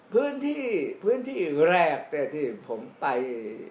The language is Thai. พื้นที่พื้นที่แรกที่ผมไป